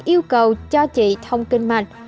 yêu cầu cho chị thông kinh mạch